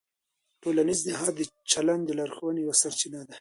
ټولنیز نهاد د چلند د لارښوونې یوه سرچینه ده.